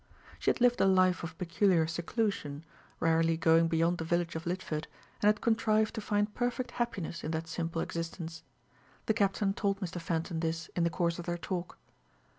She had lived a life of peculiar seclusion, rarely going beyond the village of Lidford, and had contrived to find perfect happiness in that simple existence. The Captain told Mr. Fenton this in the course of their talk.